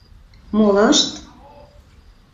Молышт?